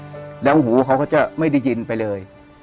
ปลายเหตุและหูเขาก็จะไม่ได้ยินไปเลย